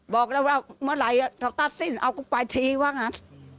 บอกแล้วว่าเมื่อไหร่เขาตัดสินเอาก็ไปทีว่างั้น